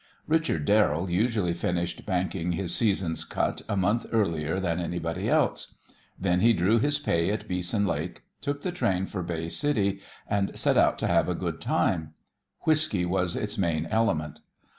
Richard Darrell usually finished banking his season's cut a month earlier than anybody else. Then he drew his pay at Beeson Lake, took the train for Bay City, and set out to have a good time. Whiskey was its main element.